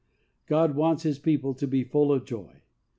God wants His people to be full of joy.